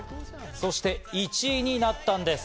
そして１位になったんです。